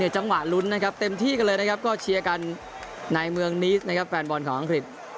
จังหวะลุ้นนะครับเต็มที่กันเลยนะครับก็เชียร์กันในเมืองนีสนะครับแฟนบอลของอังกฤษ